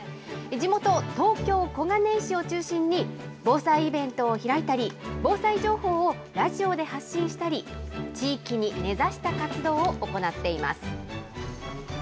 地元、東京・小金井市を中心に、防災イベントを開いたり、防災情報をラジオで発信したり、地域に根ざした活動を行っています。